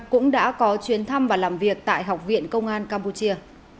cũng đã có chuyến thăm và làm việc tại học viện công an campuchia